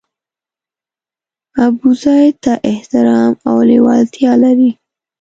ابوزید ته احترام او لېوالتیا لري.